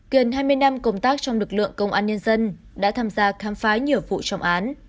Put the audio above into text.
gần hai mươi năm công tác trong lực lượng công an nhân dân đã tham gia khám phá nhiều vụ trọng án